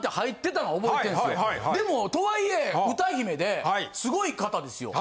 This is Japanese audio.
でもとはいえ歌姫ですごい方ですよ。